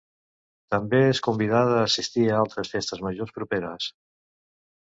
També és convidada a assistir a altres festes majors properes.